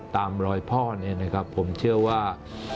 ตามรอยพ่อผมเชื่อว่า